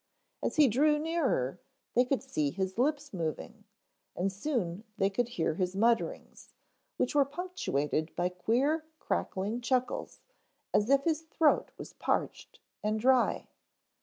As he drew nearer they could see his lips moving, and soon they could hear his mutterings, which were punctuated by queer crackling chuckles as if his throat was parched and dry.